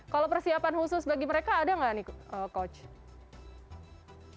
kalau persiapan khusus bagi mereka ada nggak nih coach